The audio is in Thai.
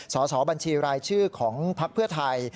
สอบบัญชีรายชื่อของพักเพื่อไทย